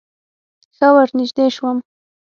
ښه ورنژدې سوم.